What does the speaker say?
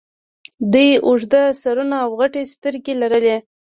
دوی اوږده سرونه او غټې سترګې لرلې